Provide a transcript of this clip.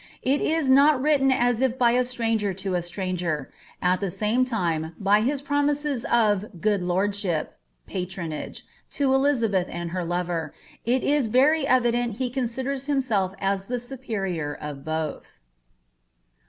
It is not written as if by a stranger to a stratiger; at the Eatiw lime, by faw promiKs of "good lordship" (patronage) to Elizabeth and her lover, fl is very evident he considers himself as the superior of both.